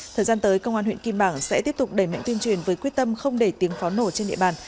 thời gian tới công an huyện kim bảng sẽ tiếp tục đẩy mạnh tuyên truyền với quyết tâm không để tiếng pháo nổ trên địa bàn